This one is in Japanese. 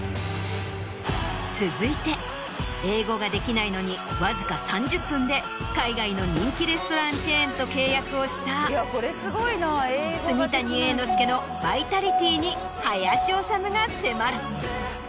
続いて英語ができないのにわずか３０分で海外の人気レストランチェーンと契約をした住谷栄之資のバイタリティーに林修が迫る。